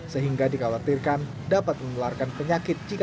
sehingga dikhawatirkan dapat menularkan penyakit